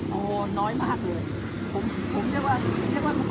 ตอนนี้กำหนังไปคุยของผู้สาวว่ามีคนละตบ